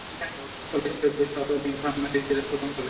কলেজটি সৈয়দপুর শহর ও নীলফামারী জেলার প্রথম কলেজ।